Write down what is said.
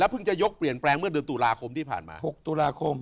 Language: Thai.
เพิ่งจะยกเปลี่ยนแปลงเมื่อเดือนตุลาคมที่ผ่านมา๖ตุลาคม